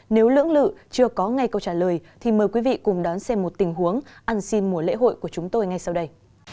nếu lưỡng lự chưa có ngay câu trả lời thì mời quý vị cùng đón xem một tình huống ăn xin mùa lễ hội của chúng tôi ngay sau đây